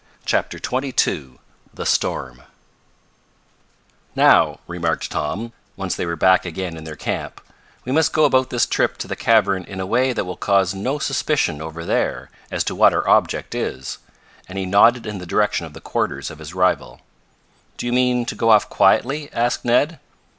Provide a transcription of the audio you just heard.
CHAPTER XXII THE STORM "Now," remarked Tom, once they were back again in their camp, "we must go about this trip to the cavern in a way that will cause no suspicion over there as to what our object is," and he nodded in the direction of the quarters of his rival. "Do you mean to go off quietly?" asked Ned.